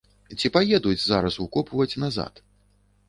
Ці паедуць зараз укопваць назад?